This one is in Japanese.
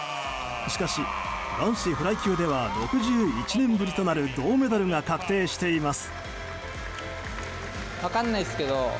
しかし、男子フライ級では６１年ぶりとなる銅メダルが確定しています。